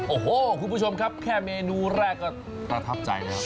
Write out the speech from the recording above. โอ้โหคุณผู้ชมครับแค่เมนูแรกก็ประทับใจแล้ว